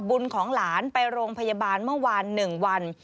บุญของหลานไปโรงพยาบาลเมื่อวาน๑วัน